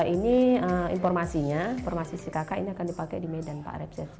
ini informasinya informasi si kakak ini akan dipakai di medan pak rekses